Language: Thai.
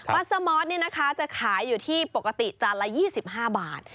วัดสะมอดเนี่ยนะคะจะขายอยู่ที่ปกติจานละ๒๕บาท